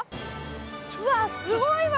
うわっすごいわ！